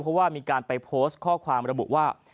เพราะว่ามีการไปโพสต์ข้อความระบุว่า